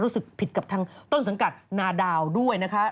รู้สึกผิดกับทางต้นสังกัดนาดาวด้วยนะคะ